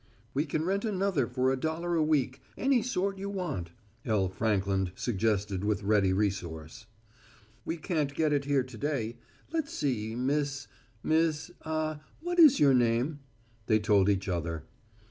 "We can rent another for a dollar a week any sort you want," L. Frankland suggested with ready resource. "We can't get it here to day. Let's see, Miss, Miss ah what is your name?" They told each other.